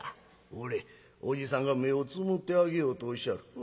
「ほれおじさんが目をつぶってあげようとおっしゃる。